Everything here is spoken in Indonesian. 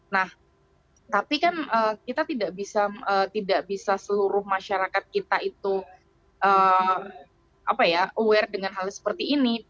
nah tapi kan kita tidak bisa seluruh masyarakat kita itu aware dengan hal seperti ini